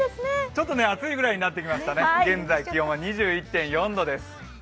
ちょっと暑いくらいになってきましたね、現在気温は２１．４度です。